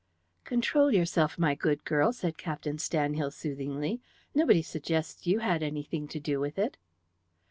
"Control yourself, my good girl," said Captain Stanhill soothingly. "Nobody suggests you had anything to do with it."